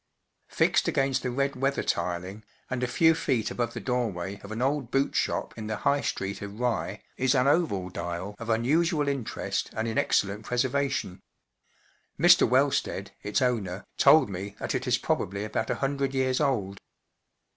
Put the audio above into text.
Fixed against the red weather¬ tiling, and a few feet above the doorway of an old boot shop in the High Street of Rye, is an oval dial of unusual interest and in excellent preservation; Mr. Wellsted, its owner, told me that it is probably about a hundred years old.